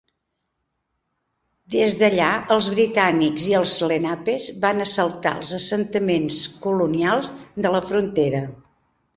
Des d'allà, els britànics i els lenapes van assaltar els assentaments colonials de la frontera.